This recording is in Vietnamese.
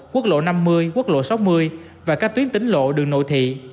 quốc lộ năm mươi quốc lộ sáu mươi và các tuyến tính lộ đường nội thị